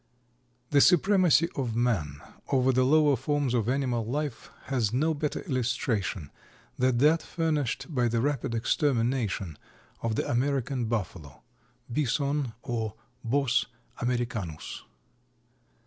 _) The supremacy of man over the lower forms of animal life has no better illustration than that furnished by the rapid extermination of the American Buffalo (Bison or Bos americanus.)